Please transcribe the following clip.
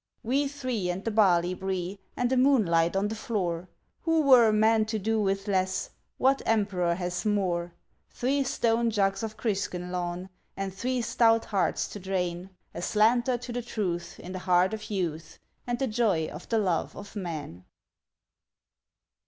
We three and the barley bree! And the moonlight on the floor! Who were a man to do with less? What emperor has more? Three stone jugs of Cruiskeen Lawn, And three stout hearts to drain A slanter to the truth in the heart of youth And the joy of the love of men.